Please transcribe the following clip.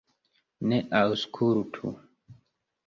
Ne aŭskultu!